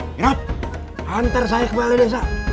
mirap hantar saya ke balai desa